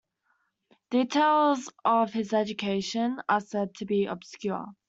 Details of his education are said to be 'obscure'.